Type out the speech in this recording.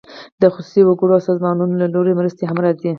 د خصوصي وګړو او سازمانونو له لوري مرستې هم راځي.